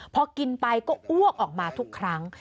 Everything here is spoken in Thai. พอกินไปก็อ้วกออกมาทุกครั้ง